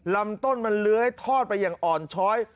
ลำต้นมันเลื้อยทอดไปอย่างอ่อนช้อย